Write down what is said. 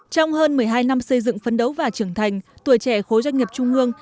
trong hơn một mươi hai năm xây dựng phấn đấu và trưởng thành tuổi trẻ khối doanh nghiệp trung ương